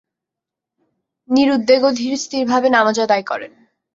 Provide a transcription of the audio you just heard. নিরুদ্বেগ ও ধিরস্থিরভাবে নামাজ আদায় করেন।